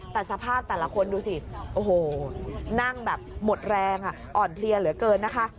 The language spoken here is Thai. แต่สภาพแต่ละคนดูสิโอ้โหนั่งแบบหมดแรงอ่อนเพลียเหลือเกินนะคะ